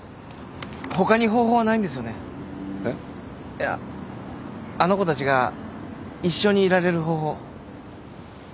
いやあの子たちが一緒にいられる方法。